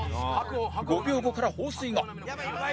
５秒後から放水が